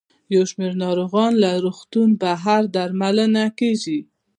یو شمېر ناروغان له روغتون بهر درملنه کیږي.